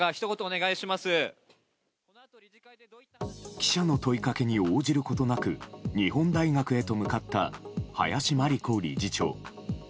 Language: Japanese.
記者の問いかけに応じることなく日本大学へと向かった林真理子理事長。